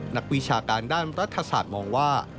นักวิชาการด้านรัฐศาสตร์มองว่า